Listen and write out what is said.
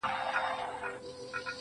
د درد د كړاوونو زنده گۍ كي يو غمى دی~